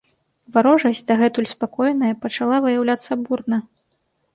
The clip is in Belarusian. Варожасць, дагэтуль спакойная, пачала выяўляцца бурна.